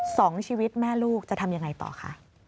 สองชีวิตแม่ลูกจะทำยังไงต่อคะ